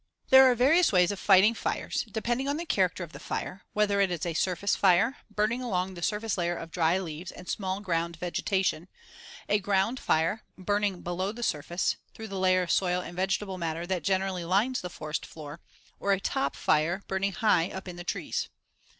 There are various ways of fighting fires, depending on the character of the fire, whether it is a surface fire, burning along the surface layer of dry leaves and small ground vegetation, a ground fire, burning below the surface, through the layer of soil and vegetable matter that generally lines the forest floor, or a top fire, burning high up in the trees.